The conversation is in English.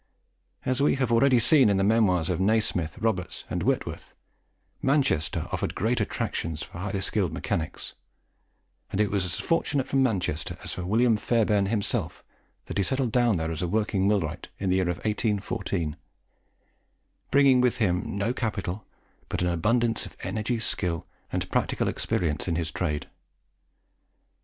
As we have already seen in the memoirs of Nasmyth, Roberts, and Whitworth, Manchester offered great attractions for highly skilled mechanics; and it was as fortunate for Manchester as for William Fairbairn himself that he settled down there as a working millwright in the year 1814, bringing with him no capital, but an abundance of energy, skill, and practical experience in his trade.